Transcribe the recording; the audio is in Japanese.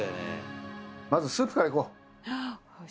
まずスープからいこう。